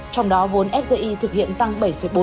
trong đó vốn fgi thực hiện tăng bảy bốn